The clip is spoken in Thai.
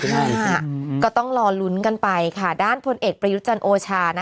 อืมอืมก็ต้องรอลุ้นกันไปค่ะด้านพลเอดประยุทธ์จันทร์โอชานะคะ